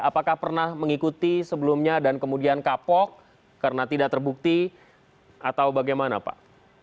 apakah pernah mengikuti sebelumnya dan kemudian kapok karena tidak terbukti atau bagaimana pak